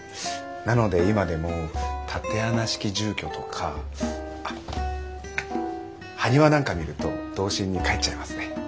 なので今でも竪穴式住居とかあ埴輪なんか見ると童心に返っちゃいますね。